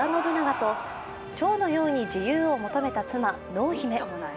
とちょうのように自由を求めた妻・濃姫。